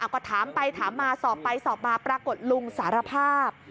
ก็ถามไปถามมาสอบไปสอบมาปรากฏลุงสารภาพ